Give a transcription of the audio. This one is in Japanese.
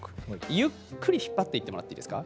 ゆっくり引っ張っていってもらっていいですか？